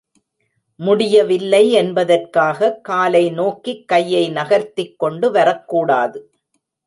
முடியவில்லை என்பதற்காக காலை நோக்கிக் கையை நகர்த்திக் கொண்டு வரக்கூடாது.